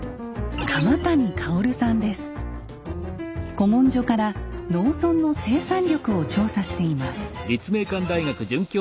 古文書から農村の生産力を調査しています。